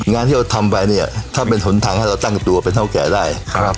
งานที่เราทำไปถ้าเราต้องตั้งตัวด้านคู่เป็นทางแขกได้